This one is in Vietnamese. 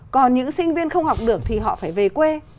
còn những sinh viên không học được thì họ phải về quê